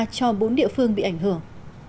cho bốn địa phương bị ảnh hưởng